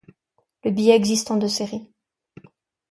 Le billet existe en deux séries.